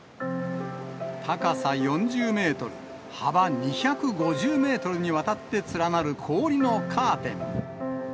高さ４０メートル、幅２５０メートルにわたって連なる氷のカーテン。